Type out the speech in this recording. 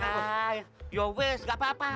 nah ya wess nggak apa apa